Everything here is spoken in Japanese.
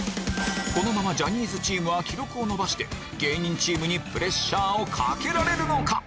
このままジャニーズチームは記録を伸ばして芸人チームにプレッシャーをかけられるのか？